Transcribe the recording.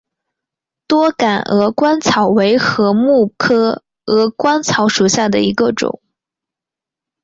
多秆鹅观草为禾本科鹅观草属下的一个种。